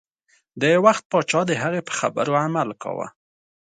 د وخت پاچا د هغې په خبرو عمل کاوه.